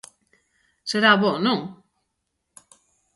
Será bo, ¿non?